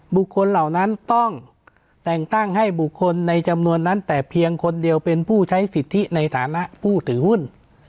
เหล่านั้นต้องแต่งตั้งให้บุคคลในจำนวนนั้นแต่เพียงคนเดียวเป็นผู้ใช้สิทธิในฐานะผู้ถือหุ้น